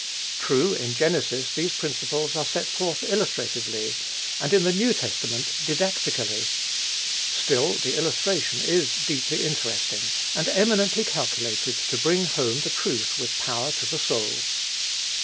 True, in Genesis these principles are set forth illustratively, and in the New Testament didactically; still, the illustration is deeply interesting, and eminently calculated to bring home the truth with power to the soul.